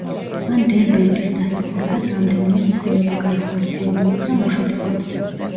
მან დერბენტის დასაპყრობად რამდენიმე მცდელობა განახორციელა, მაგრამ უშედეგოდ.